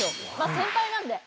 先輩なんで。